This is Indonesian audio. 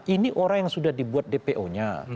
ini orang yang sudah dibuat dpo nya